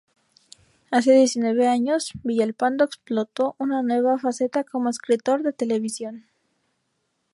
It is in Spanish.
Hace diecinueve años, Villalpando explotó una nueva faceta como escritor de televisión.